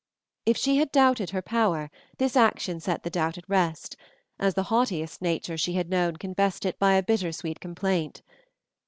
If she had doubted her power this action set the doubt at rest, as the haughtiest nature she had known confessed it by a bittersweet complaint.